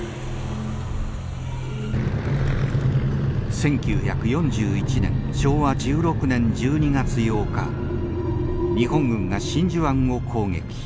１９４１年昭和１６年１２月８日日本軍が真珠湾を攻撃。